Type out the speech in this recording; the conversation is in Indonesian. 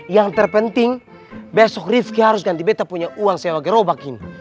yang terpenting besok rifki harus ganti beta punya uang sewa gerobak ini